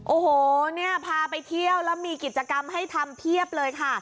โอ้โหเนี่ยพาไปเที่ยวแล้วมีกิจกรรมให้ทำเพียบเลยค่ะ